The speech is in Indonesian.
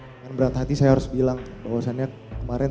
dengan berat hati saya harus bilang bahwa saya lihat kemarin